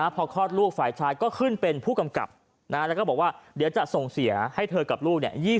พอคลอดลูกฝ่ายชายก็ขึ้นเป็นผู้กำกับแล้วก็บอกว่าเดี๋ยวจะส่งเสียให้เธอกับลูกเนี่ย